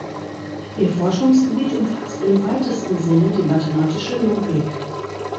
Ihr Forschungsgebiet umfasst im weitesten Sinne die mathematische Logik.